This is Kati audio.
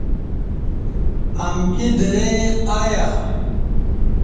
امکی درئی آیا۔